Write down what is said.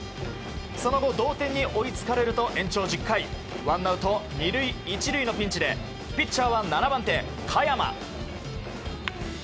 その後、同点に追いつかれると延長１０回ワンアウト、２塁１塁のピンチでピッチャーは７番手、嘉弥真。